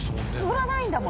売らないんだもの。